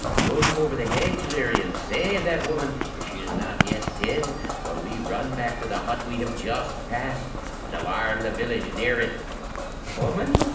'Go you over the hedge, Leary, and save that woman, if she is not yet dead, while we run back to the hut we have just passed, and alarm the village near it.' 'Woman!'